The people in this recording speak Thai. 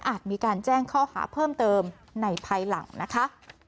มีการแจ้งข้อหาเพิ่มเติมในภายหลังนะคะ